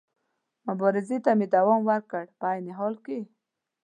مبارزې ته مې دوام ورکړ، په عین حال کې.